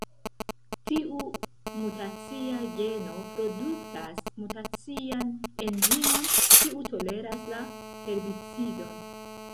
Tiu mutacia geno produktas mutacian enzimon, kiu toleras la herbicidon.